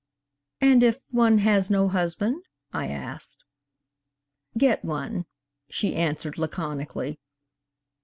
'And if one has no husband?' I asked. 'Get one,' she answered laconically.